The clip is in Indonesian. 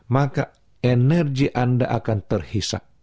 maka energi anda akan terhisa